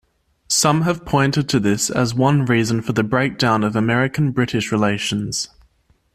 Some have pointed to this as one reason for the breakdown of American-British relations.